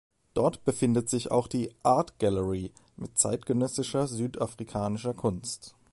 Dort befindet sich auch die "Art Gallery" mit zeitgenössischer südafrikanischer Kunst.